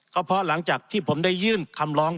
ก็เพราะหลังจากที่ผมได้ยื่นคำร้อง